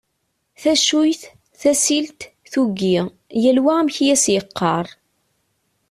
Taccuyt, tasilt, tuggi: yal wa amek i as-yeqqar.